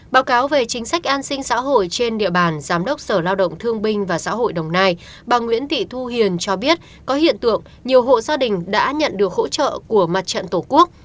báo cáo về chính sách an sinh xã hội trên địa bàn giám đốc sở lao động thương binh và xã hội đồng nai bà nguyễn thị thu hiền cho biết có hiện tượng nhiều hộ gia đình đã nhận được hỗ trợ của mặt trận tổ quốc